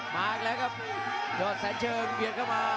มาอีกแล้วครับยอดแสนเชิงเบียดเข้ามา